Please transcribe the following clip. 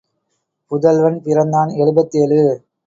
புதல்வன் பிறந்தான் எழுபத்தேழு.